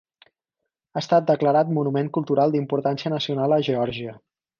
Ha estat declarat monument cultural d'importància nacional de Geòrgia.